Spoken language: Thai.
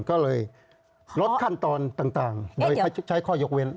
ก็เลยลดขั้นตอนต่างโดยใช้ข้อยกเว้น